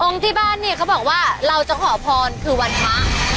ที่บ้านเนี่ยเขาบอกว่าเราจะขอพรคือวันพระ